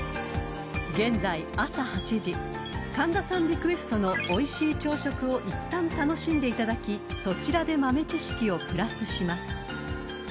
リクエストのおいしい朝食をいったん楽しんでいただきそちらで豆知識をプラスします］